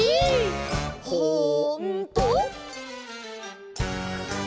「ほんとー？」